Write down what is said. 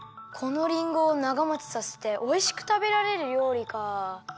このりんごをながもちさせておいしくたべられるりょうりかあ。